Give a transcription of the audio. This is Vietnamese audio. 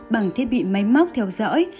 bằng thiết bị máy móc theo dõi